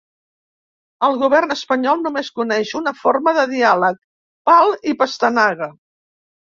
El govern espanyol només coneix una forma de diàleg, pal i "pastanaga".